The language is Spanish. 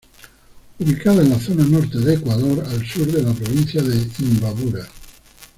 Ubicada en la zona norte de Ecuador, al sur de la Provincia de Imbabura.